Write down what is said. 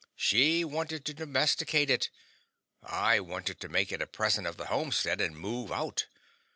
She wanted to domesticate it, I wanted to make it a present of the homestead and move out.